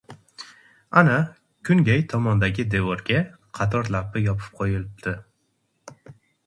Ana, kungay tomondagi devorga qator lappi yopib qo‘yilibdi.